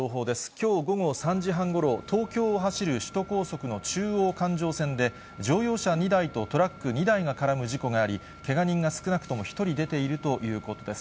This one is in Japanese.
きょう午後３時半ごろ、東京を走る首都高速の中央環状線で、乗用車２台とトラック２台が絡む事故があり、けが人が少なくとも１人出ているということです。